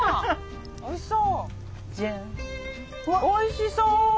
おいしそう。